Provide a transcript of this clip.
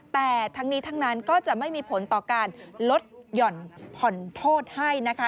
แต่ทั้งนี้ทั้งนั้นก็จะไม่มีผลต่อการลดหย่อนผ่อนโทษให้นะคะ